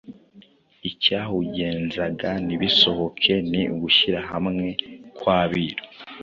Icyahugenzaga ntibisohoke ni ugushyira hamwe kw'Abiru.